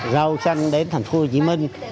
rau xanh đến thành phố hồ chí minh